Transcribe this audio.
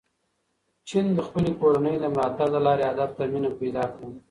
جین د خپلې کورنۍ د ملاتړ له لارې ادب ته مینه پیدا کړه.